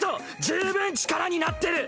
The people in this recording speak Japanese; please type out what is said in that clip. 十分力になってる。